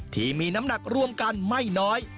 ที่มีน้ำหนักรวมกันไม่น้อย